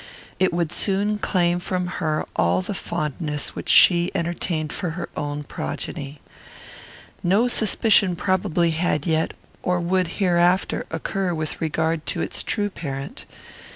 It would soon claim from her all the fondness which she entertained for her own progeny. No suspicion probably had yet, or would hereafter, occur with regard to its true parent.